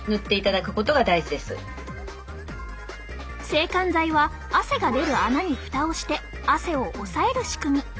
制汗剤は汗が出る穴に蓋をして汗を抑える仕組み。